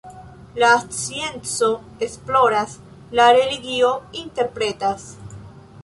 La scienco esploras, la religio interpretas.